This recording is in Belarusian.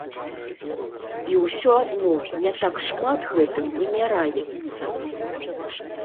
І ўсё адно, не так шмат гэтым вымяраецца.